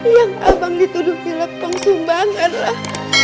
yang abang dituduh bila pengsumbangan lah